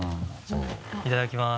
いただきます。